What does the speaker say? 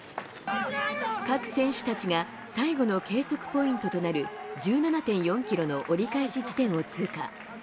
各選手たちが最後の計測ポイントとなる１７．４キロの折り返し地点を通過。